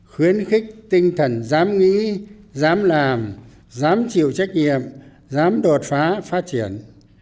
khuyến khích tinh thần dám nghĩ dám làm dám chịu trách nhiệm dám đột phá phát triển